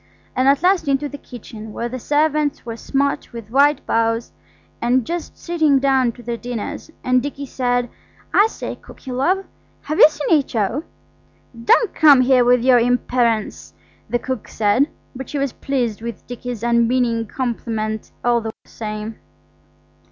And at last into the kitchen, where the servants were smart with white bows and just sitting down to their dinner, and Dicky said– "I say, cookie love, have you seen H.O.?" "Don't come here with your imperence!" the cook said, but she was pleased with Dicky's unmeaning compliment all the same.